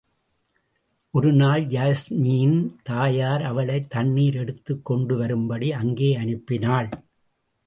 ஒருநாள் யாஸ்மியின் தாயார் அவளைத் தண்ணீர் எடுத்துக் கொண்டுவரும்படி அங்கே அனுப்பினாள்.